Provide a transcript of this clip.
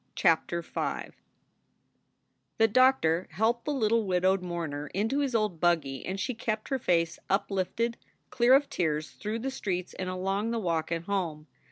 CHAPTER V doctor helped the little widowed mourner into his old buggy, and she kept her face uplifted, clear of tears, through the streets and along the walk at home.